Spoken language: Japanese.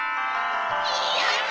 やった！